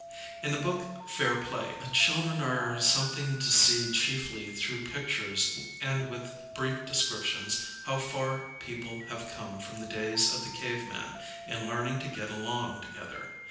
In the book Fair Play^ children are lieli)ed to see chiefly through pictures and with brief descriptions, how far people have come from the days of the cave man. in learning to get along together.